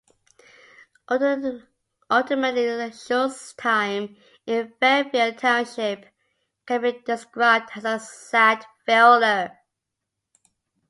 Ultimately Shulze's time in Fairfield Township can be described as a sad failure.